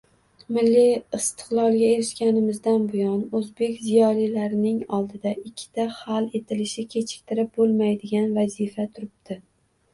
Milliy istiqlolga erishganimizdan buyon oʻzbek ziyolilarining oldida ikkita hal etilishi kechiktirib boʻlmaydigan vazifa turibdi.